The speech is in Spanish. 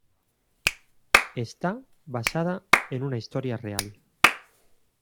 Está basada en una historia real.